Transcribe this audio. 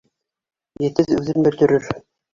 Етеҙ үҙен бөтөрөр